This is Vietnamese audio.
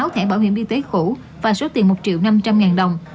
một mươi sáu thẻ bảo hiểm y tế khủ và số tiền một triệu năm trăm linh ngàn đồng